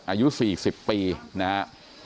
อายุ๔๐ปีนะฮะ